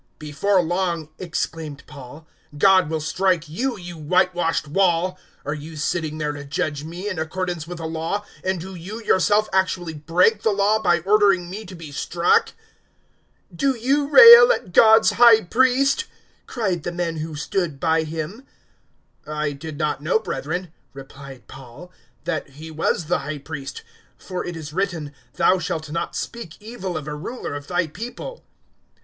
023:003 "Before long," exclaimed Paul, "God will strike you, you white washed wall! Are you sitting there to judge me in accordance with the Law, and do you yourself actually break the Law by ordering me to be struck?" 023:004 "Do you rail at God's High Priest?" cried the men who stood by him. 023:005 "I did not know, brethren," replied Paul, "that he was the High Priest; for it is written, `Thou shalt not speak evil of a ruler of Thy people.'"